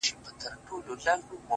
ما اورېدلي چي له مړاوو اوبو سور غورځي _